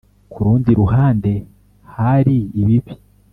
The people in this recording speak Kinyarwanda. ku rundi ruhande, hari ibibi.